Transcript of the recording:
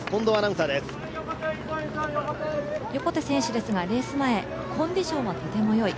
横手選手ですが、レース前、コンディションはとてもよい。